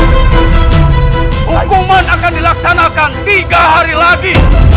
hukuman akan dilaksanakan tiga hari lagi